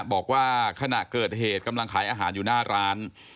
บอกว่าขณะเกิดเหตุกำลังขายอาหารอยู่หน้าร้าน